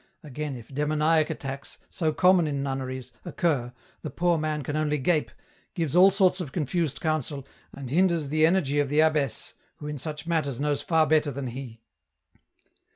Again, if demoniac attacks, so common in nunneries, occur, the poor man can only gape, gives all sorts u 08 EN ROUTE. of confused counsel, and hinders the energy of the abbess, who in such matters knows far better than he."